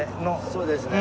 そうですね。